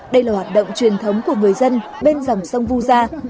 đây là hoạt động truyền thống của người dân bên dòng sông vu gia